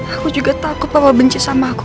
aku juga takut bahwa benci sama aku